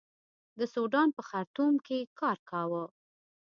د سوډان په خرتوم کې کار کاوه.